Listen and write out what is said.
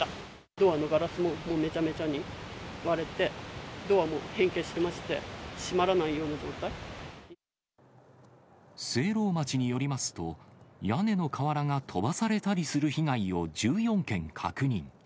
ドアのガラスも、もうめちゃめちゃに割れて、ドアも変形してまし聖籠町によりますと、屋根の瓦が飛ばされたりする被害を１４件確認。